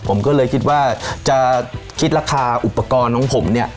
ผมก็เลยคิดว่าจะคิดราคาอุปกรณ์ของผมเนี่ย